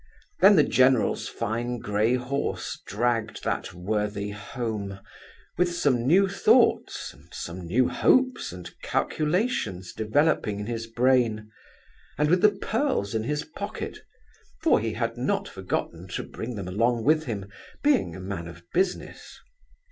Then the general's fine grey horse dragged that worthy home, with some new thoughts, and some new hopes and calculations developing in his brain, and with the pearls in his pocket, for he had not forgotten to bring them along with him, being a man of business.